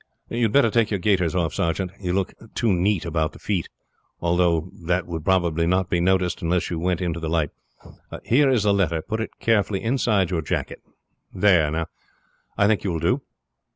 "You had better take your gaiters off, sergeant. You look too neat about the feet; although that would not be noticed unless you went into the light. Here is the letter, put it carefully inside your jacket. There, now, I think you will do."